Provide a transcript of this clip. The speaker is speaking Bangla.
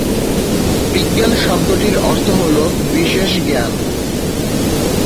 বিজ্ঞান শব্দটির অর্থ হল বিশেষ জ্ঞান।